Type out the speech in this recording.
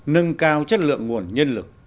nâng cao chất lượng nguồn nhân lực